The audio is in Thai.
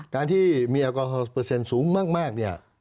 การที่มีแอลกอฮอลเปอร์เซ็นต์สูงมากเนี่ย